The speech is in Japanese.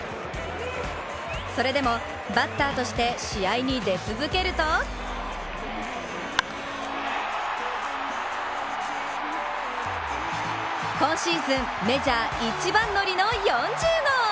それでも、バッターとして試合に出続けると今シーズン、メジャー一番乗りの４０号。